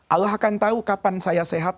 allah akan tahu kapan saya sehat